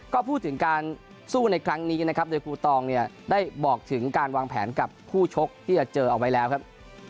ก็พูดถึงการสู้ในครั้งนี้นะครับโดยครูตองเนี่ยได้บอกถึงการวางแผนกับคู่ชกที่จะเจอเอาไว้แล้วครับ